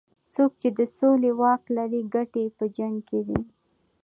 څوک چې د سولې واک لري ګټې یې په جنګ کې دي.